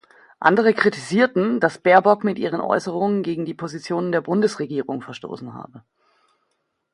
Andere kritisierten, dass Baerbock mit ihren Äußerungen gegen die Positionen der Bundesregierung verstoßen habe.